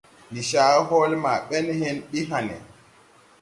Ndi caa hɔɔle ma bɛn ne hen bi hãne.